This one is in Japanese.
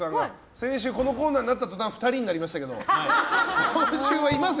先週このコーナーになった途端２人になりましたけど今週はいますよ。